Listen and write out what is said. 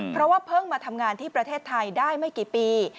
เพราะว่าเพิ่งมาทำงานที่ประเทศไทยได้ไม่กี่ปี